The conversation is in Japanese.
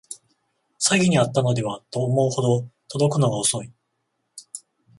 詐欺にあったのではと思うほど届くのが遅い